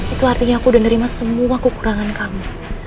itu artinya aku udah nerima semua kekurangan kamu